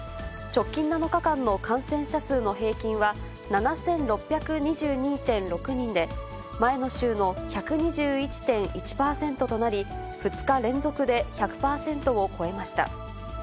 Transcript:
直近７日間の感染者数の平均は、７６２２．６人で、前の週の１２１．１％となり、２日連続で１００％を超えました。